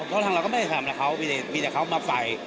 ทางเราไม่ได้ทำแบบเขามีแต่เขามาเสีย